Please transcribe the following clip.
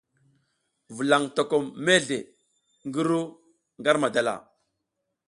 Vulaƞ tokom mezle ngi ru ar madala.